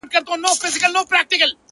هر څه دروند او بې روحه ښکاري په کور کي,